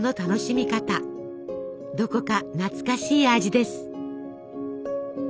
どこか懐かしい味です。